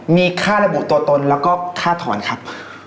มีค่าระบุตัวตนแล้วก็ค่าถอนครับ